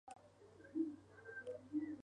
Componen todas sus canciones por sí mismo.